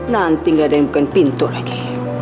nanti gak ada yang bukan pintu lagi